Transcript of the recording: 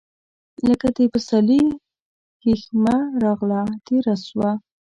لکه د پسرلي هیښمه راغله، تیره سوه